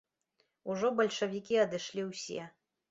Ужо бальшавікі адышлі ўсе.